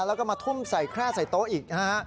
แล้วก็มาทุ่มใส่แคร่ใส่โต๊ะอีกนะฮะ